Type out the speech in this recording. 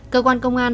cơ quan công an